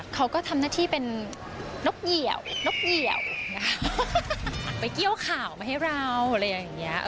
เขาก็ทำหน้าที่เป็นนกเหี่ยวไปเกี้ยวข่าวมาให้เรา